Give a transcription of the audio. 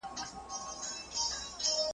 په تياره كي د جگړې په خلاصېدو سو `